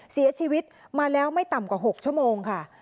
เสียชีวิตมาแล้วไม่ต่ำกว่า๖ชั่วโมงค่ะ